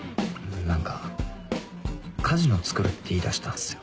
何かカジノ造るって言い出したんすよ。